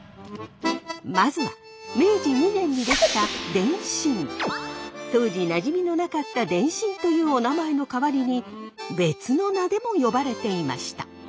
まずは明治２年に出来た当時なじみのなかった電信というおなまえの代わりに別の名でも呼ばれていました。